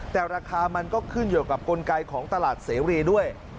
แต่ราคามันก็ขึ้นอยู่กับกลไกของตลาดเสรีด้วย